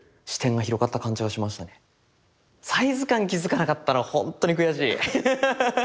サイズ感に気付かなかったのほんとに悔しい。